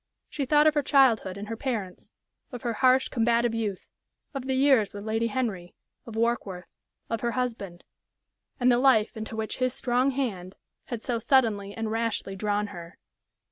She thought of her childhood and her parents, of her harsh, combative youth, of the years with Lady Henry, of Warkworth, of her husband, and the life into which his strong hand had so suddenly and rashly drawn her.